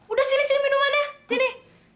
udah sini sini minumannya sini